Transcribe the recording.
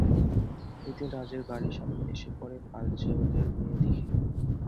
একদিন রাজের গাড়ির সামনে এসে পরে কাজলের মেয়ে দিঘী।